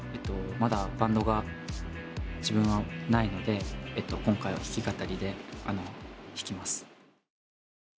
まだバンドが自分はないので今回は弾き語りで弾きます。